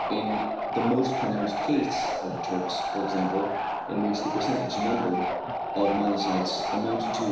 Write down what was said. In the most pronounced case of Türk's, for example, in which the percentage number of myelocytes amounted to 11.